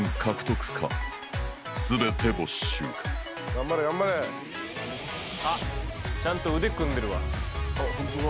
頑張れ頑張れあっちゃんと腕組んでるわあっホントだ